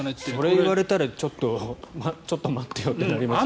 それを言われたらちょっと待ってよってなりますよね。